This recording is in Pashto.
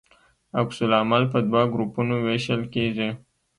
عکس العمل په دوه ګروپونو ویشل کیږي.